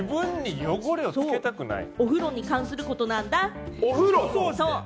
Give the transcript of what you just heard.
お風呂に関することなんだ。